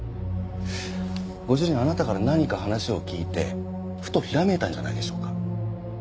ご主人あなたから何か話を聞いてふとひらめいたんじゃないでしょうか？